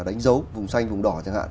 đánh dấu vùng xanh vùng đỏ chẳng hạn